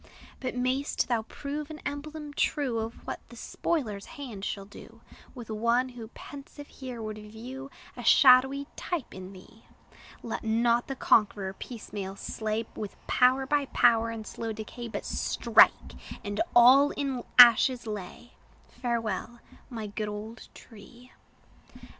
But may'st thou prove an emblem true Of what the spoiler's hand shall do With one, who pensive here would view A shadowy type in thee! Let not the conqueror piecemeal slay, With power by power in slow decay; But strike, and all in ashes lay! Farewell, my good old tree!